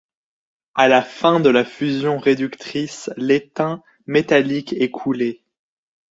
À la fin de la fusion réductrice, l'étain métallique est coulé.